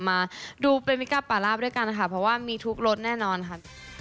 มาดูเปมิก้าป่าลาบด้วยกันค่ะเพราะว่ามีทุกรถแน่นอนค่ะ